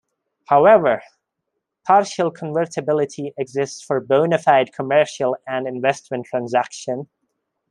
However, partial convertibility exists for bona fide commercial and investment transaction.